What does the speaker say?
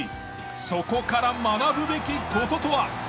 そこから学ぶべき事とは？